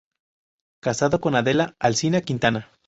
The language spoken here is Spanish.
Casado con Adela Alsina Quintana.